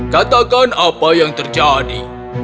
katakan apa yang terjadi